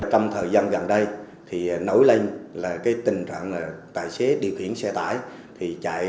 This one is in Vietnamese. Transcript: trong thời gian gần đây nổi lên là tình trạng tài xế điều khiển xe tải